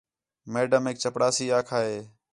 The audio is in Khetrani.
میڈمیک چپڑاسی آکھا ہے